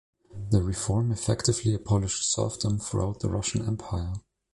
The reform effectively abolished serfdom throughout the Russian Empire.